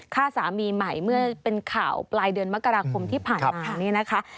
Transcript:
ฆ่าสามีใหม่เมื่อเป็นข่าวปลายเดือนมกราคมที่ผ่านมาเนี่ยนะคะ